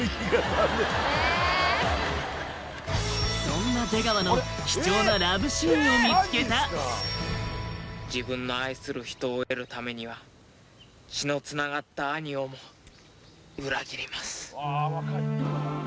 そんな出川の貴重なラブシーンを見つけた自分の愛する人を得るためには血のつながった兄をも裏切ります